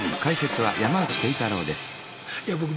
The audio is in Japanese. はい。